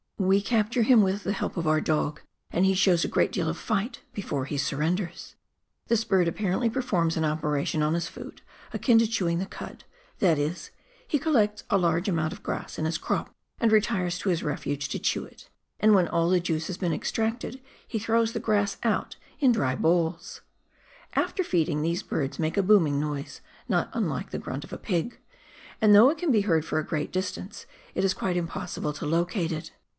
We capture him with the help of our dog, and he shows a great deal of fight before he surrenders. This hh d apparently performs an operation on his food akin to chewing the cud; that is, he collects a large amount of grass in his crop, and retires to his refuge to chew it, and when all the juice has been extracted, he throws the grass out in dry balls. After feeding, these birds make a booming noise, not unlike the grunt of a pig, and though it can be heard for a great dis tance, it is quite impossible to locate it.